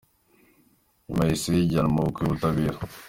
Nyuma yahise yijyana mu maboko y’ubutabera.